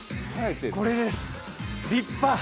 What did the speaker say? これです立派！